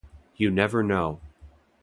You never know.